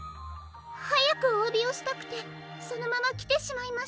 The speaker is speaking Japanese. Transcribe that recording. はやくおわびをしたくてそのままきてしまいましたの。